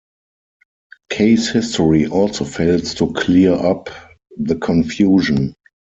Case history also fails to clear up the confusion.